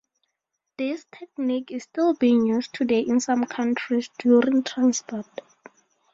This technique is still being used today in some countries during transport.